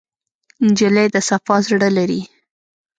نجلۍ د صفا زړه لري.